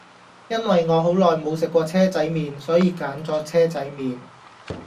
因為我好耐無食過車仔麵,所以揀左車仔麵